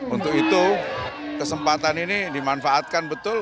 untuk itu kesempatan ini dimanfaatkan betul